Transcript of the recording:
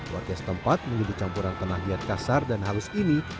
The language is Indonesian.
warga setempat menyebut campuran tanah liat kasar dan halus ini